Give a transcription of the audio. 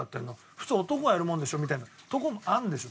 普通男がやるものでしょみたいなとこもあるんでしょ？